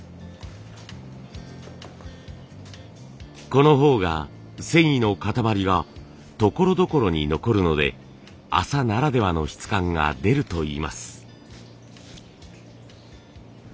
この方が繊維の塊がところどころに残るので麻ならではの質感が出るといいます。